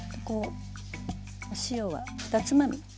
お塩は２つまみ。